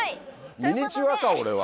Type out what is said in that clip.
ミニチュアか俺は。